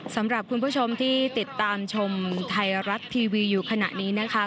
สำหรับคุณผู้ชมที่ติดตามชมไทยรัฐทีวีอยู่ขณะนี้นะคะ